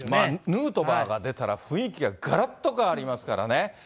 ヌートバーが出たら、雰囲気ががらっと変わりますからね。